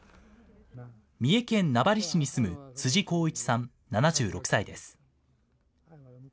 三重県名張市に住む辻功一さん７６歳です。